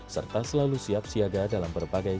serta selalu siap siaga dalam berbagai